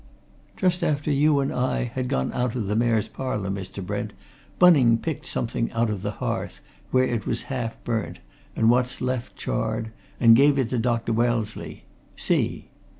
Just after you and I had gone out of the Mayor's Parlour, Mr. Brent, Bunning picked something out of the hearth, where it was half burnt, and what's left charred, and gave it to Dr. Wellesley. See!"